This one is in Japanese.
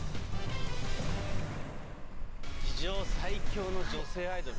史上最強の女性アイドル。